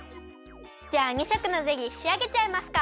じゃあ２色のゼリーしあげちゃいますか。